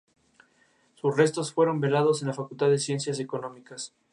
Sus restos fueron velados en la Facultad de Ciencias Económicas.